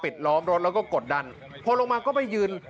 ล้อมรถแล้วก็กดดันพอลงมาก็ไปยืน